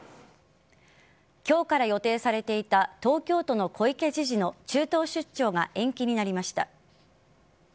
今日から予定されていた東京都の小池知事の中東出張が延期になりました。